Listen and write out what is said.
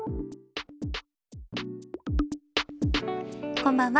こんばんは。